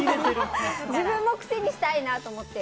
自分も癖にしたいなと思って。